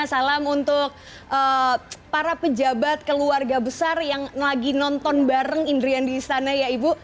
salam untuk para pejabat keluarga besar yang lagi nonton bareng indrian di istana ya ibu